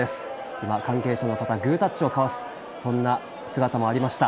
今、関係者の方、グータッチを交わす、そんな姿もありました。